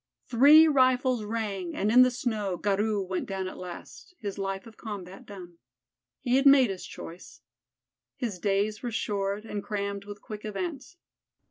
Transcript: Three rifles rang, and in the snow Garou went down at last, his life of combat done. He had made his choice. His days were short and crammed with quick events.